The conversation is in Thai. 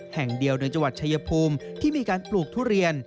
แห่งเดียวโดยจังหวัดชายภูมิที่มีการปลูกทุเรียน